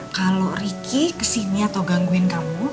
kalo riki kesini atau gangguin kamu